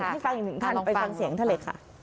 ให้ฟังอีกหนึ่งท่านไปฟังเสียงท่านเลยค่ะ